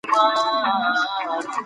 هدفمند کارونه ټولنه جوړوي.